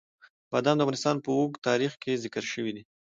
بادام د افغانستان په اوږده تاریخ کې ذکر شوی دی.